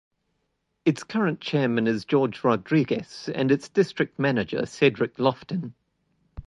Its current chairman is George Rodriguez, and its district manager Cedric Loftin.